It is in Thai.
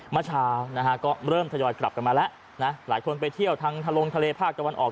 เมื่อเช้านะฮะก็เริ่มทยอยกลับกันมาแล้วนะหลายคนไปเที่ยวทางทะลงทะเลภาคตะวันออก